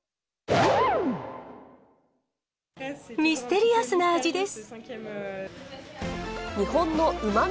ミステリアスな味です。